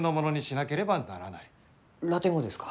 ラテン語ですか？